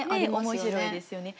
面白いですよね。